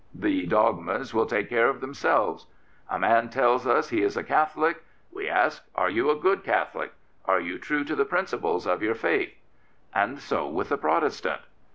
The dogmas will take care of themselves. " A man tells us he is a Catholic. We ask, ' Are you a good Catholic? Are you true to the principles of your faith? ' And so with the Protestant."